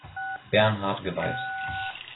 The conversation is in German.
Bernhard geweiht.